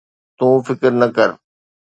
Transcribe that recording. تون فڪر نه ڪر